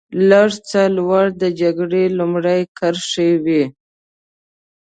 لږ څه لوړ د جګړې لومړۍ کرښې وې.